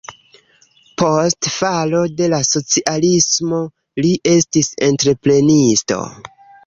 Post falo de la socialismo li estis entreprenisto.